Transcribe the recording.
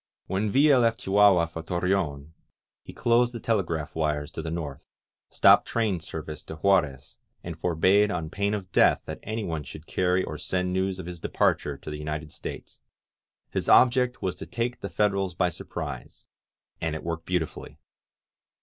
When Villa left Chihuahua for Torreon, he closed the telegraph wires to the north, stopped train service to Juarez, and forbade on pain of death that anyone should carry or send news of his departure to the United States. His object was to take the Federals by surprise, and it worked beautifully.